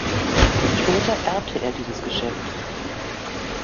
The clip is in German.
Später erbte er dieses Geschäft.